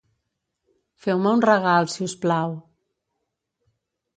Feu-me un regal, si us plau.